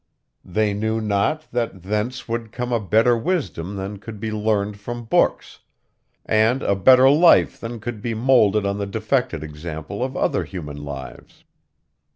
They knew not that thence would come a better wisdom than could be learned from books, and a better life than could be moulded on the defaced example of other human lives.